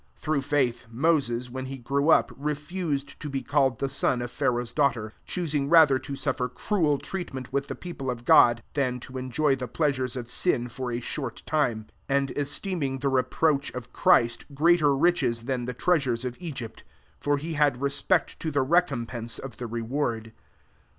\4: Through faith, Moses, when le grew up, refused to be called he son of Pharaoh's daughter ; )5 choosing rather to suffer :ruel treatment with the peo >le of God, than to enjoy the >leasnres of sin for a short time; ^ and esteeming the reproach >f Christ* greater riches than he treasures of Egypt : for he lad respect to the recompense >f the reward.